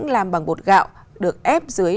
làm bằng bột gạo được ép dưới